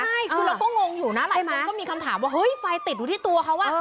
ใช่คือเราก็งงอยู่นะหลายคนก็มีคำถามว่าเฮ้ยไฟติดอยู่ที่ตัวเขาอ่ะ